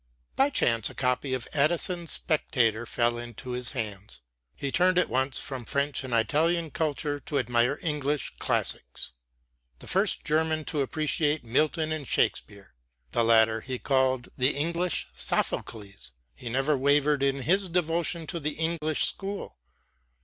By chance a copy of Addison's Spectator fell into his hands. He turned at once from French and Italian culture to admire English classics. The first German to appreciate Milton and Shakespeare (the latter he called the English Sophocles), he never wavered in his devotion to the English school.